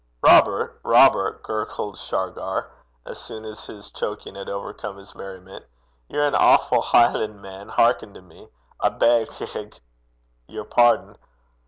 'Robert! Robert!' gurgled Shargar, as soon as his choking had overcome his merriment, 'ye're an awfu' Hielan'man. Hearken to me. I beg g g yer pardon.